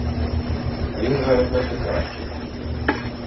Він зараз наче кращий.